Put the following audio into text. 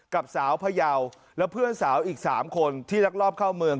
กับสาวพยาวและเพื่อนสาวอีก๓คนที่รักรอบเข้าเมือง